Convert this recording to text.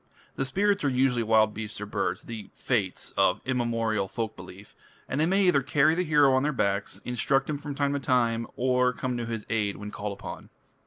The spirits are usually wild beasts or birds the "fates" of immemorial folk belief and they may either carry the hero on their backs, instruct him from time to time, or come to his aid when called upon.